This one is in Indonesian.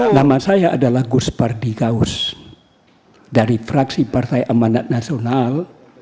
nama saya adalah gus pardikaus dari fraksi partai amanat nasional